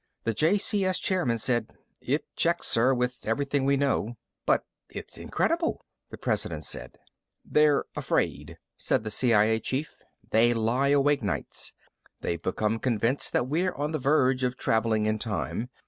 The JCS chairman said, "It checks, sir, with everything we know." "But it's incredible!" the President said. "They're afraid," said the CIA chief. "They lie awake nights. They've become convinced that we're on the verge of traveling in time.